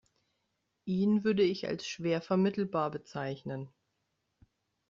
Ihn würde ich als schwer vermittelbar bezeichnen.